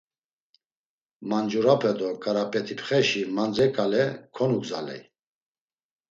Mancurape do, Ǩarap̌et̆ipxeşi mandre ǩale konugzaley.